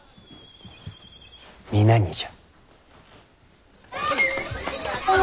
皆にじゃ。